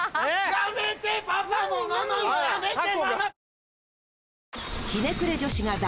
やめてパパもママもやめて！